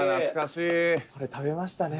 「これ食べましたね」